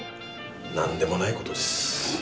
何でもないことです。